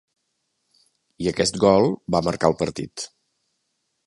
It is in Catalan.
I aquest gol va marcar el partit.